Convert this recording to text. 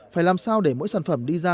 phải làm sao để mỗi sản phẩm đi ra